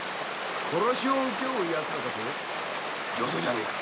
殺しを請け負う奴らだと⁉上等じゃねえか！